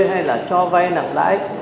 hay là cho vay nặng lãi